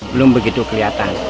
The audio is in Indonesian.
belum begitu kelihatan